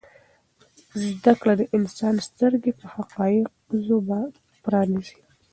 زده کړه د انسان سترګې پر حقایضو پرانیزي.